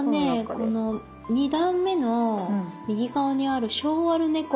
この２段目の右側にある「性悪猫」。